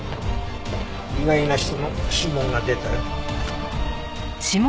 意外な人の指紋が出たよ。